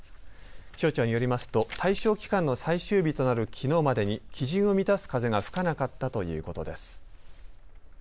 気象庁によりますと対象期間の最終日となるきのうまでに基準を満たす風が吹かなかったということです。